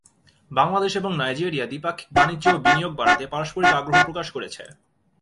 বাংলাদেশ এবং নাইজেরিয়া দ্বিপাক্ষিক বাণিজ্য ও বিনিয়োগ বাড়াতে পারস্পরিক আগ্রহ প্রকাশ করেছে।